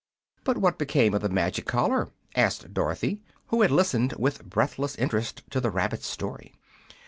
"But what became of the magic collar?" asked Dorothy, who had listened with breathless interest to the rabbit's story.